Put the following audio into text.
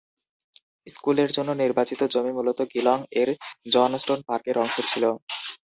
স্কুলের জন্য নির্বাচিত জমি মূলত গিলং এর জনস্টোন পার্কের অংশ ছিল।